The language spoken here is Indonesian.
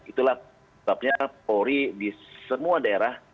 itulah sebabnya polri di semua daerah